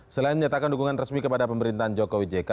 selain nyatakan dukungan resmi kepada pemerintahan jokowi jk